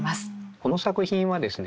この作品はですね